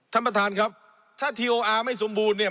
ท่านประธานครับถ้าทีโออาร์ไม่สมบูรณ์เนี่ย